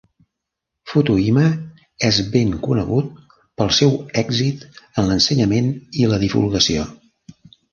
Futuyma és ben conegut pel seu èxit en l'ensenyament i la divulgació.